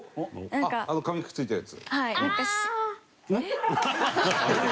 あの紙くっついたやつ？